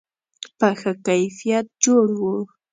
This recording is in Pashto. په ښه کیفیت جوړ و.